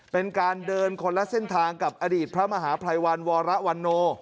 เป็นการเดินคนละเส้นทางกับอดีตพระมหาภัยวันวรวันโน